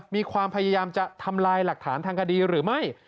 มีความพยายามจะทำลายหลักฐานทางคดีหรือไม่